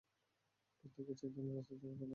প্রত্যেকে চায়, যেন রাসূল তাকে প্রাধান্য দেয়।